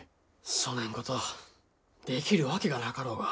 そねんことできるわけがなかろうが。